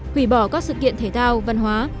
quỷ bỏ các sự kiện thể thao văn hóa